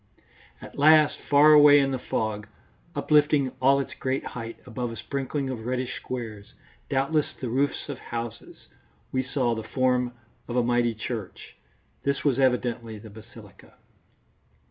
At last, far away in the fog, uplifting all its great height above a sprinkling of reddish squares, doubtless the roofs of houses, we saw the form of a mighty church. This was evidently the basilica.